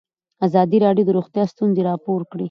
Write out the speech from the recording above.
ازادي راډیو د روغتیا ستونزې راپور کړي.